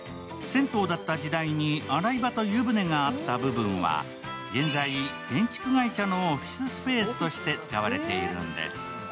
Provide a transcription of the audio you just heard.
銭湯だった時代に洗い場と湯船があった部分は現在、建築会社のオフィススペースとして使われているんです。